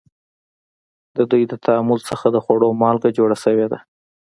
د دوی د تعامل څخه د خوړو مالګه جوړه شوې ده.